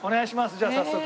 じゃあ早速。